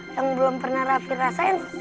yang belum pernah raffi rasain